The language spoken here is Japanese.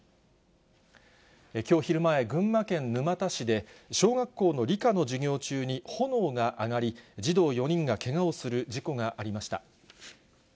きょう昼前、群馬県沼田市で、小学校の理科の授業中に炎が上がり、児童４人がけがをする事故がありました。